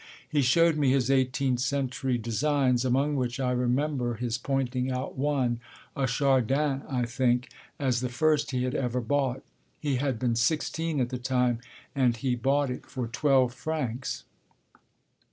He showed me his eighteenth century designs, among which I remember his pointing out one (a Chardin, I think) as the first he had ever bought; he had been sixteen at the time, and he bought it for twelve francs.